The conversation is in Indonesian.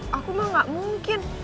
ih aku mah nggak mungkin